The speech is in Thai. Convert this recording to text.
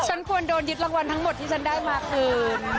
ฉันควรโดนยึดรางวัลทั้งหมดที่ฉันได้มาคืน